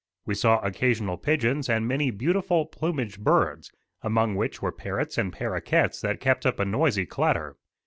We saw occasional pigeons and many beautiful plumaged birds, among which were parrots and paroquets that kept up a noisy clatter.